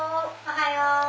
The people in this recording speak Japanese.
おはよう。